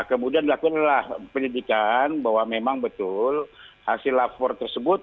kemudian dilakukan penyelidikan bahwa memang betul hasil lapor tersebut